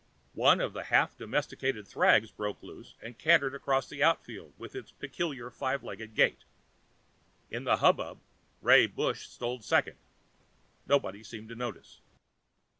One of the half domesticated thrags broke loose and cantered across the outfield with its peculiar five legged gait. In the hubbub, Ray Bush stole second. Nobody seemed to notice.